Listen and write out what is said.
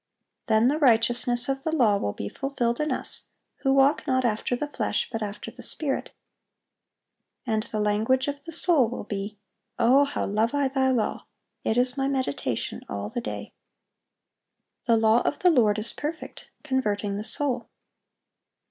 Then "the righteousness of the law" will "be fulfilled in us, who walk not after the flesh, but after the Spirit."(791) And the language of the soul will be, "O how love I Thy law! it is my meditation all the day."(792) "The law of the Lord is perfect, converting the soul."